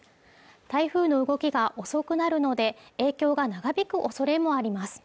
台風の動きが遅くなるので影響が長引く恐れもあります